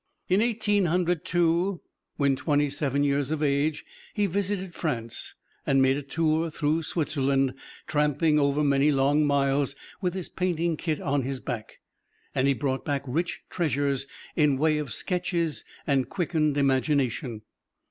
In Eighteen Hundred Two, when twenty seven years of age, he visited France and made a tour through Switzerland, tramping over many long miles with his painting kit on his back, and he brought back rich treasures in way of sketches and quickened imagination.